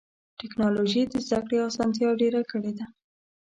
ټکنالوجي د زدهکړې اسانتیا ډېره کړې ده.